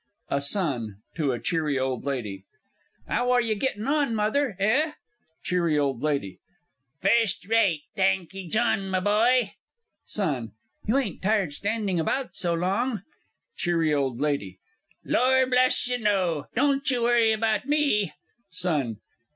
A SON (to cheery old Lady). 'Ow are you gettin' on, Mother, eh? CH. O. L. First rate, thankee, John, my boy. SON. You ain't tired standing about so long? CH. O. L. Lor' bless you, no. Don't you worry about me. SON.